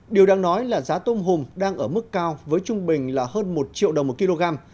điều đang nói là giá tôm hùm đang ở mức cao với trung bình là hơn một triệu đồng một kg